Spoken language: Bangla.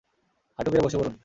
হাঁটু গেঁড়ে বসে পড়ুন!